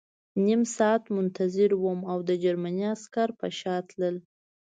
نیم ساعت منتظر وم او د جرمني عسکر په شا تلل